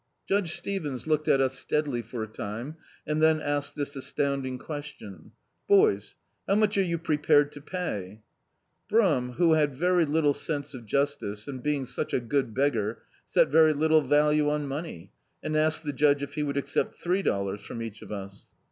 Judge Stevens looked at us steadily for a time, and then asked this astounding question : "Boys, how much are you pre pared to pay?" Brum, who had very little sense of justice, and being such a good beggar, set very little value on m<Hiey, asked the judge if he would accept three dollars from each of us.